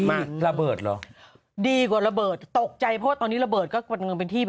มาระเบิดหรอดีกว่าระเบิดตกใจเพราะตอนนี้ระเบิดต้องเป็นที่